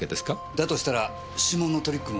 だとしたら指紋のトリックも説明出来ます。